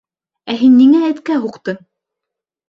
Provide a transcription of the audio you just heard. Ә һин ниңә эткә һуҡтың?